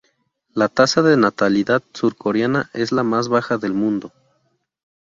La tasa de natalidad surcoreana es la más baja del mundo.